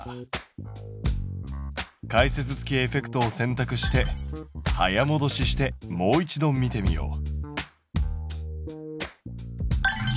解説付きエフェクトを選択して早もどししてもう一度見てみよう。